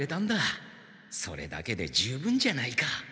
それだけで十分じゃないか。